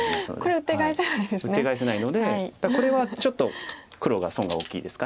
ウッテガエせないのでだからこれはちょっと黒が損が大きいですか。